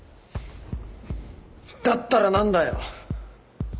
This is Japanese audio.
だったら何だよ。